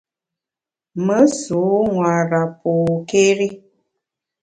Me sû nwara pôkéri.